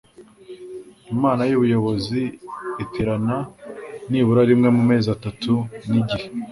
inama y'ubuyobozi iterana nibura rimwe mu mezi atatu n'igihe